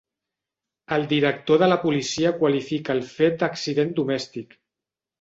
El director de la policia qualifica el fet d'accident domèstic.